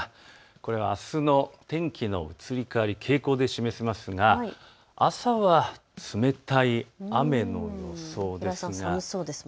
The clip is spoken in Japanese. これはあすの天気の移り変わり、傾向で示しますが朝は冷たい雨の予想です。